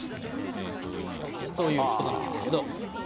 そういうことなんですけど。